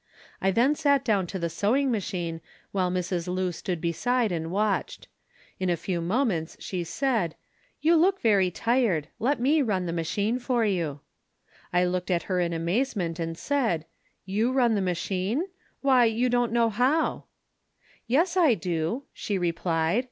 I then sat down to the sewing machine while Mrs. Lu stood beside and watched. In a few moments she said, "You look very tired. Let me run the machine for you." I looked at her in amazement, and said, "You run the machine? Why you don't know how." "Yes I do," she replied.